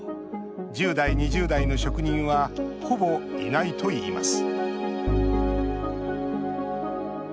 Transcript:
１０代、２０代の職人はほぼいないといいます